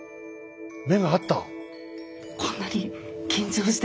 目が合った。